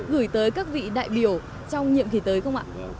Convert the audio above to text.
gửi tới các vị đại biểu trong nhiệm kỳ tới không ạ